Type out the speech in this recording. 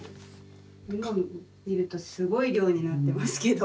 今見るとすごい量になってますけど。